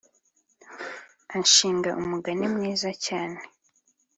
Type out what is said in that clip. ashinga umugani mwiza cyane